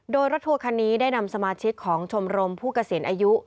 โดยรถทัวร์คันนี้ได้นำสมาชิกของชมรมผู้เกษียณอายุ